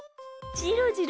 じろじろ。